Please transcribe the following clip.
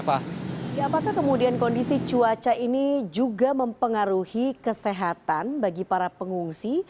apakah kemudian kondisi cuaca ini juga mempengaruhi kesehatan bagi para pengungsi